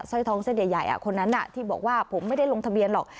สร้อยทองเส้นใหญ่คนนั้นที่บอกว่าผมไม่ได้ลงทะเบียนหรอก